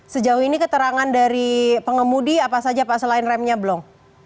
sejauh ini keterangan dari pengemudi apa saja pak selain remnya belum